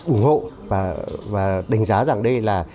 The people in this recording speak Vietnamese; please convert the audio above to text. ủng hộ và đánh giá rằng đây là